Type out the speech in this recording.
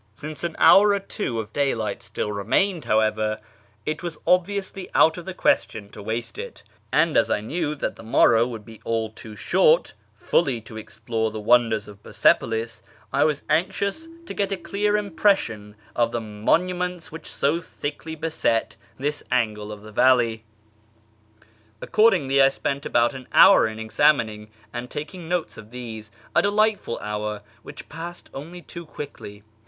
Since an hour or two of daylight still remained. 248 ./ Vr:AR AMONGST THE PERSIANS however, it was obviously out of the question to waste it ; and as I knew that tlie morrow wouhl be all too short fully to explore the wonders of Persepolis, I was anxious to get a clear impression of the monuments which so thickly beset this angle of the valley. Accordingly I spent about an hour in examining and taking notes of these — a delightful hour, which passed only too quickly.